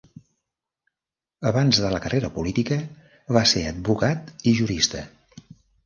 Abans de la carrera política, va ser advocat i jurista.